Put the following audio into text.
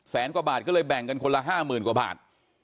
แสนกว่าบาทก็เลยแบ่งกันคนละห้าหมื่นกว่าบาท